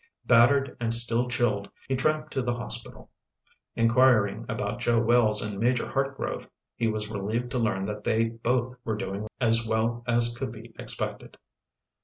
Battered and still chilled, he tramped to the hospital. Inquiring about Joe Wells and Major Hartgrove, he was relieved to learn that they both were doing as well as could be expected.